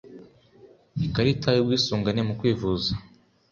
Ikarita y’ubwisungane mu kwivuza.